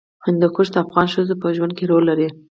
هندوکش د افغان ښځو په ژوند کې رول لري.